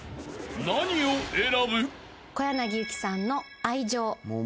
［何を選ぶ？］